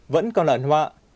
vẫn còn là ẩn họa